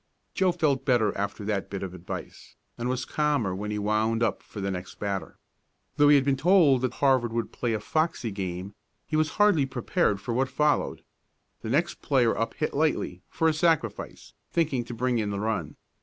Joe felt better after that bit of advice, and was calmer when he wound up for the next batter. Though he had been told that Harvard would play a foxy game, he was hardly prepared for what followed. The next player up hit lightly, for a sacrifice, thinking to bring in the run.